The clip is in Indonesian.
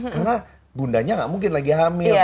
karena bundanya gak mungkin lagi hamil